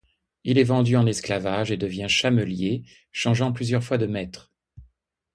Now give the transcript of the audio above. Il est vendu en esclavage et devient chamelier, changeant plusieurs fois de maîtres.